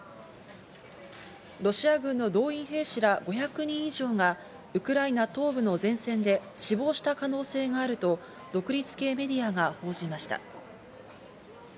ロシア軍の動員兵士ら５００人以上がウクライナ東部の前線で死亡した可能性があると独立系メディアが報じました。